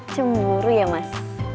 cemburu ya mas